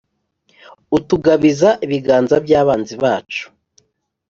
utugabiza ibiganza by’abanzi bacu,